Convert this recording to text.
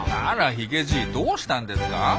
あらヒゲじいどうしたんですか？